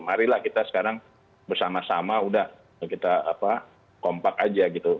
marilah kita sekarang bersama sama udah kita kompak aja gitu